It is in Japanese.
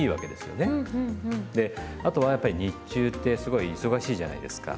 であとはやっぱり日中ってすごい忙しいじゃないですか。